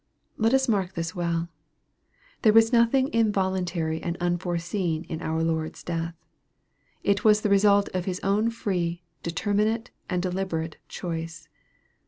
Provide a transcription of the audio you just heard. Let us mark this well. There was nothing involun tary and unforeseen in our Lord's death. It was the result of his own free, determinate, and deliberate choice.